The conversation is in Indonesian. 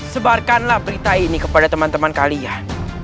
sebarkanlah berita ini kepada teman teman kalian